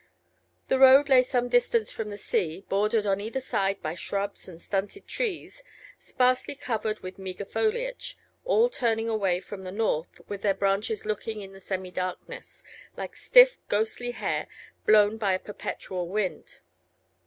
The road lay some distance from the sea, bordered on either side by shrubs and stunted trees, sparsely covered with meagre foliage, all turning away from the North, with their branches looking in the semi darkness, like stiff, ghostly hair, blown by a perpetual wind.